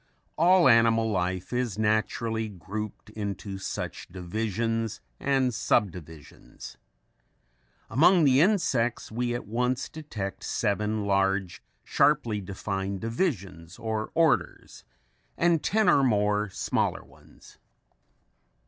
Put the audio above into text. All animal life is naturally grouped into such divisions and subdivisions. Among the insects we at once detect seven large, sharply defined divisions or orders, and ten or more smaller ones.